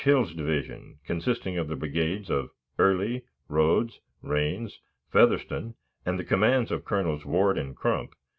Hill's division, consisting of the brigades of Early, Rodes, Raines, Featherston, and the commands of Colonels Ward and Crump